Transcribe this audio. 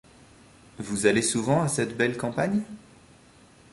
Vous allez souvent à cette belle campagne ?